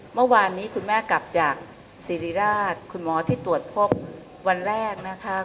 เมื่อวานนี้คุณแม่กลับจากศิริราชคุณหมอที่ตรวจพบวันแรกนะคะ